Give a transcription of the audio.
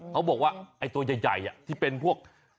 เขาบอกว่าไอ้ตัวใหญ่ที่เป็นพวก